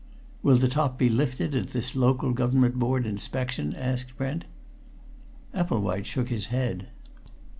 "Will the top be lifted at this Local Government Board inspection?" asked Brent. Epplewhite shook his head.